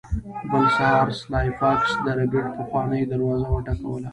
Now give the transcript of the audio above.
بل سهار سلای فاکس د ربیټ پخوانۍ دروازه وټکوله